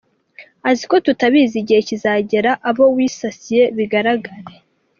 aziko tutabizi igihe kizagera abo wisasiye bigaragare